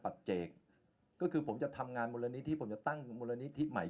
เจกก็คือผมจะทำงานมูลนิธิผมจะตั้งมูลนิธิใหม่